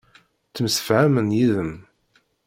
Ttemsefhamen yid-m.